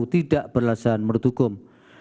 tidak berlasan menurut hukum